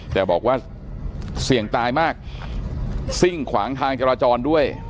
แต่บอกว่าเสี่ยงตายมากซิ่งขวางทางจราจรด้วย